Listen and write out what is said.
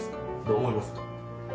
どう思いますか？